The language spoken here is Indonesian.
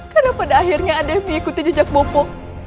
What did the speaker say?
karena pada akhirnya ada yang mengikuti jejak bopo